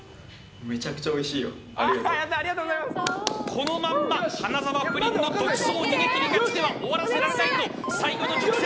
このまま花澤プリンの独走逃げ切り勝ちでは終わらせないと最後の直線。